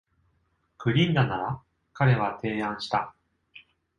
「グリンダなら」彼は、提案した。